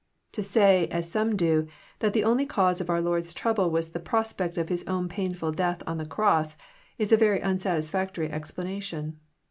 To say, as some do, that the only cause of our Lord^s trouble was the prospect of His own painful death on the cross, is a very unsatisfactory explanation.